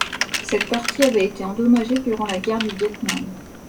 Cette partie avait été endommagée durant la guerre du Viêt Nam.